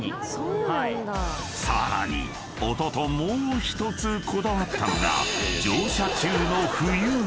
［さらに音ともう１つこだわったのが乗車中の］